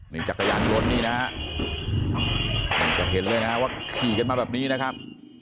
นี่จักรยานยนต์นี่นะฮะจะเห็นเลยนะฮะว่าขี่กันมาแบบนี้นะครับ